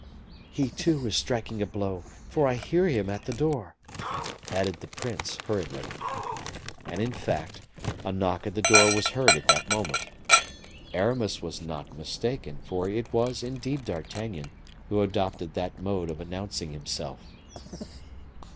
"He, too, is striking a blow, for I hear him at the door," added the prince, hurriedly. And, in fact, a knock at the door was heard at that moment. Aramis was not mistaken; for it was indeed D'Artagnan who adopted that mode of announcing himself.